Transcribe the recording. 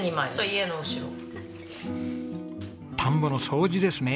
田んぼの掃除ですね。